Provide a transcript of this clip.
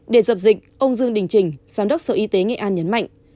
để dập dịch ông dương đình trình giám đốc sở y tế nghệ an nhấn mạnh